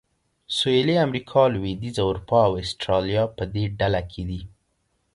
سویلي امریکا، لوېدیځه اروپا او اسټرالیا په دې ډله کې دي.